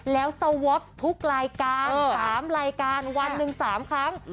แล้วสวอปทุกรายการ๓รายการวันหนึ่ง๓ครั้ง